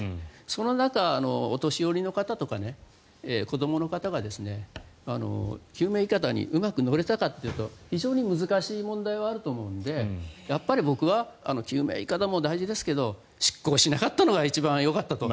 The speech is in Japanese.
その中、お年寄りの方とか子どもの方が救命いかだにうまく乗れたかというと非常に難しい問題はあると思うのでやっぱり僕は救命いかだも大事ですけど出港しなかったのが一番よかったと。